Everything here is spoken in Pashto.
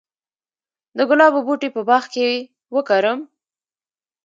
د ګلابو بوټي په باغ کې وکرم؟